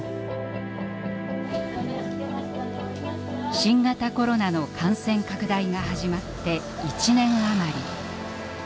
新型コロナの感染拡大が始まって１年余り。